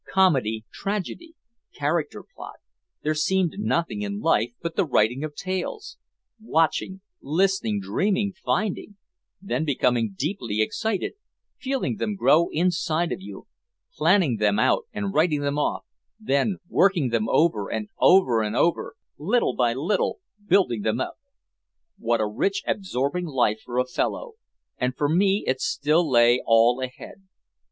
Comedy, tragedy, character, plot there seemed nothing in life but the writing of tales watching, listening, dreaming, finding, then becoming deeply excited, feeling them grow inside of you, planning them out and writing them off, then working them over and over and over, little by little building them up. What a rich absorbing life for a fellow, and for me it still lay all ahead.